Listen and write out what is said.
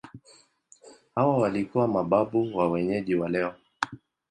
Hawa walikuwa mababu wa wenyeji wa leo.